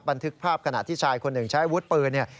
บันทึกภาพขณะที่ชายคนหนึ่งใช้อาวุธปืนเนี่ย